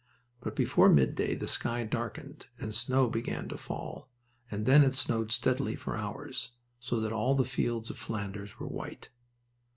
But before midday the sky darkened and snow began to fall, and then it snowed steadily for hours, so that all the fields of Flanders were white.